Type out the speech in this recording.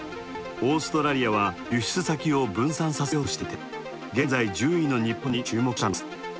オーストラリアは、輸出先を分散させようとしていて現在１０位の日本に注目したのです。